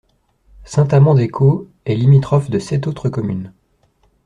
Saint-Amans-des-Cots est limitrophe de sept autres communes.